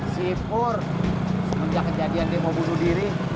sipur semenjak kejadian dia mau bunuh diri